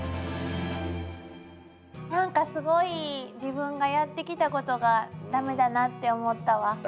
何かすごい自分がやってきたことが駄目だなって思ったわ。